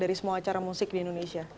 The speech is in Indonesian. dari semua acara musik di indonesia